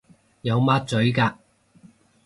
有抹嘴嘅